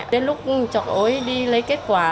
đến lúc chọc ối đi lấy kết quả